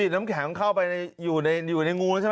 น้ำแข็งเข้าไปอยู่ในงูใช่ไหม